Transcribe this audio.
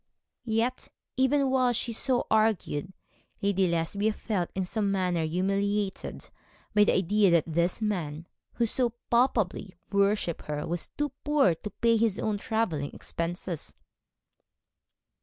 Yet, even while she so argued, Lady Lesbia felt in some manner humiliated by the idea that this man who so palpably worshipped her was too poor to pay his own travelling expenses.